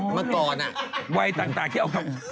เมื่อก่อนวัยต่างที่เอา